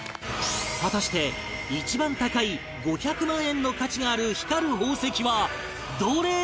果たして一番高い５００万円の価値がある光る宝石はどれなのか？